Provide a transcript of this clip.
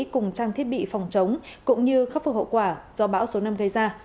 cùng trang thiết bị phòng chống cũng như khắc phục hậu quả do bão số năm gây ra